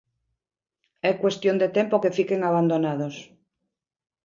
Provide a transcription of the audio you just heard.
É cuestión de tempo que fiquen abandonados.